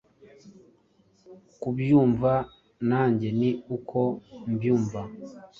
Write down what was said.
ukubyumva nanjye ni uko mbumva .